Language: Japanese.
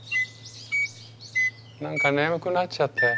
何か眠くなっちゃったよ。